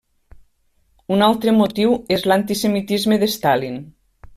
Un altre motiu és l'antisemitisme de Stalin.